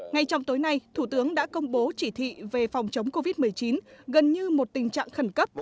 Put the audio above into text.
ngay trong tối nay thủ tướng đã công bố chỉ thị về phòng chống covid một mươi chín gần như một tình trạng khẩn cấp